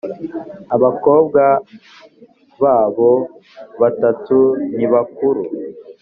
abakobwa babo batatu nibakuru.